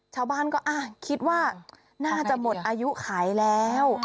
ชาวบ้านก็คิดว่าน่าจะหมดอายุขายแล้ว